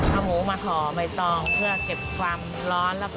เอาหมูมาห่อใบตองเพื่อเก็บความร้อนแล้วก็